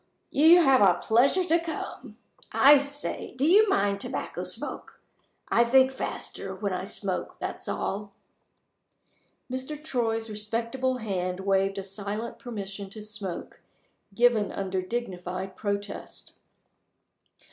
You have got a pleasure to come. I say, do you mind tobacco smoke? I think faster while I smoke that's all." Mr. Troy's respectable hand waved a silent permission to smoke, given under dignified protest.